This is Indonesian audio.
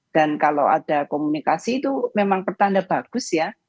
dan kalau ada komunikasi itu memang pertanda bagus ya